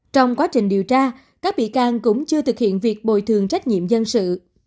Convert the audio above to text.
trong quá trình điều tra các bị can cũng chưa thực hiện việc bồi thường trách nhiệm dân sự